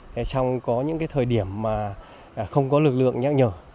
trong những thời điểm không có lực lượng nhắc nhở